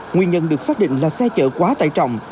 nguyên nhân được xác định là xe chở quá tải trọng